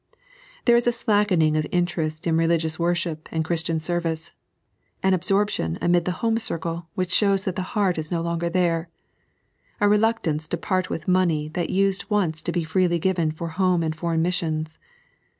There is a slackening of interest in religious worship and Christian service; an absorption amid the home circle which shows that the heart is no longer there ; a reluctance to part with money that used once to be freely given for home and foreign missions.